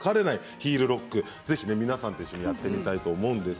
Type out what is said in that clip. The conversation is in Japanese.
ヒールロック、ぜひ皆さんでやってみたいと思います。